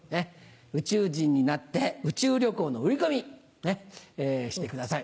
宇宙人になって宇宙旅行の売り込みしてください。